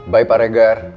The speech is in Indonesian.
bye pak regar